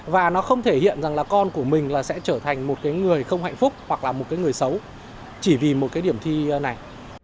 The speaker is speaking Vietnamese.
và nó không thể hiện rằng là con của mình là sẽ trở thành một cái người không hạnh phúc hoặc là một cái người xấu chỉ vì một cái điểm thi này